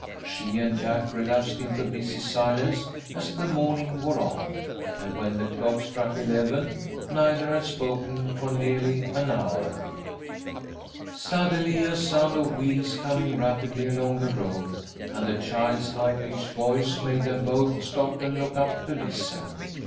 She and Jack relapsed into busy silence as the morning wore on, and when the clock struck eleven, neither had spoken for nearly an hour. Suddenly a sound of wheels, coming rapidly along the road, and a child's high pitched voice made them both stop and look up to listen.